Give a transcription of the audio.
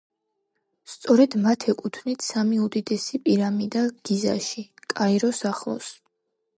სწორედ მათ ეკუთვნით სამი უდიდესი პირამიდა გიზაში, კაიროს ახლოს.